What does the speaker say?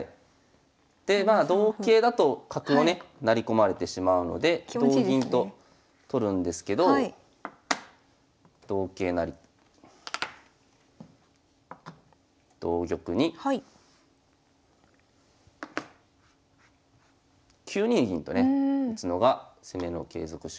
でまあ同桂だと角をね成り込まれてしまうので同銀と取るんですけど同桂成同玉に９二銀とね打つのが攻めの継続手で。